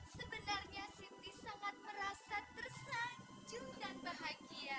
sebenarnya siti sangat merasa tersaju dan bahagia